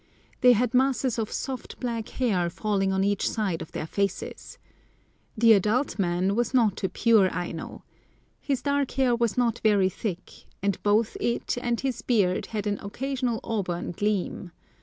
They had masses of soft black hair falling on each side of their faces. The adult man was not a pure Aino. His dark hair was not very thick, and both it and his beard had an occasional auburn gleam.